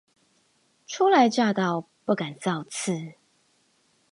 初來乍到不敢造次